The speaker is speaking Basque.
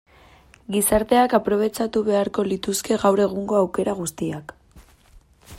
Gizarteak aprobetxatu beharko lituzke gaur egungo aukera guztiak.